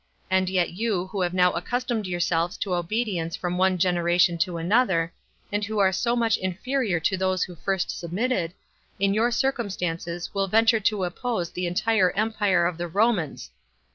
And yet you, who have now accustomed yourselves to obedience from one generation to another, and who are so much inferior to those who first submitted, in your circumstances will venture to oppose the entire empire of the Romans.